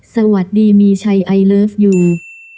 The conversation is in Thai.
สวัสดีมีชัยไอเลิฟยู